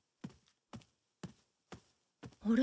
あれ？